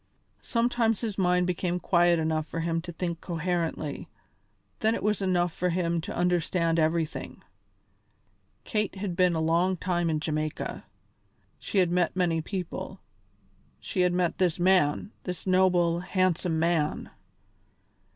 Sometimes his mind became quiet enough for him to think coherently, then it was easy enough for him to understand everything. Kate had been a long time in Jamaica; she had met many people; she had met this man, this noble, handsome man.